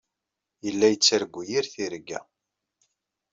Yella yettargu yir tirga.